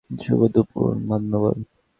শুভ দুপুর, মান্যবর!